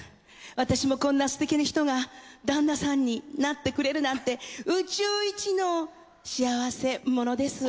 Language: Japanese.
私もこんなすてきな人が旦那さんになってくれるなんて宇宙一の幸せ者です。